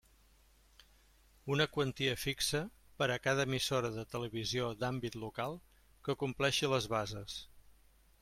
Una quantia fixa per a cada emissora de televisió d'àmbit local que compleixi les bases.